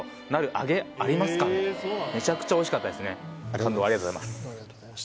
感動をありがとうございます